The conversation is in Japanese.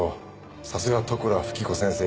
さすが利倉富貴子先生